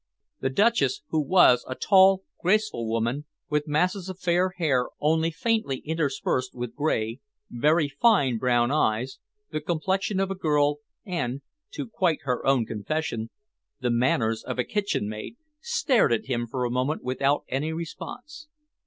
The Duchess, who was a tall, graceful woman, with masses of fair hair only faintly interspersed with grey, very fine brown eyes, the complexion of a girl, and, to quite her own confession, the manners of a kitchen maid, stared at him for a moment without any response.